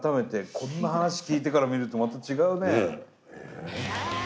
こんな話聞いてから見るとまた違うね。